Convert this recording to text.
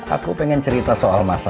aku pengen cerita soal masa